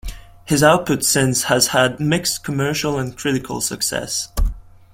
His output since has had mixed commercial and critical success.